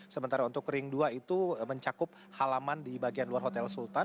sementara untuk ring dua itu mencakup halaman di bagian luar hotel sultan